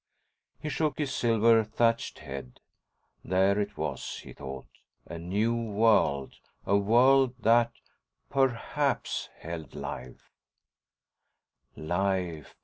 He shook his silver thatched head. There it was, he thought. A new world. A world that, perhaps, held life. Life.